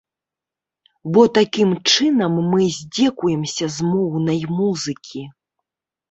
Бо такім чынам мы здзекуемся з моўнай музыкі.